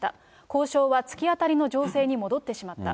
交渉は突き当たりの情勢に戻ってしまった。